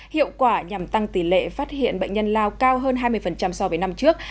hiệu quả nhằm tăng tỷ lệ phát hiện bệnh nhân lao cao hơn hai mươi so với năm trước